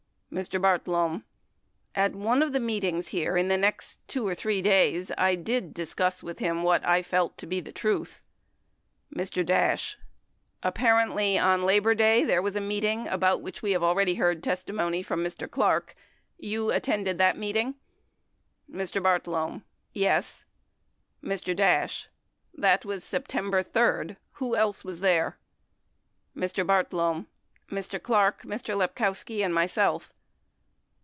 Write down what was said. Mr. Bartlome. At one of the meetings here in the next 2 or 3 days I did discuss with him what I felt to be the truth. Mr. Dash. Apparently on Labor Day, there was a meeting about which we have already heard testimony from Mr. Clark. You attended that meeting ? Mr. Bartlome. Yes. Mr. Dash. That was September 3. Who else was there ? Mr. Bartlome. Mr. Clark, Mr. Lepkowski, and myself.